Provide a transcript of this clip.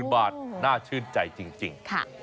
๑๕๐๐๐๐บาทน่าชื่นใจจริง